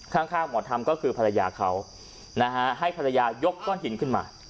ข้างหมอทำก็คือภรรยาเขานะฮะให้ภรรยายกก้อนหินขึ้นมา